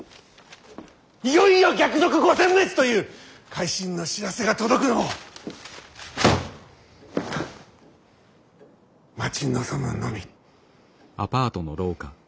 「いよいよ逆賊御殲滅！」という会心の報せが届くのを待ち望むのみ！